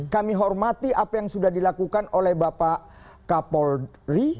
kami hormati apa yang sudah dilakukan oleh bapak kapolri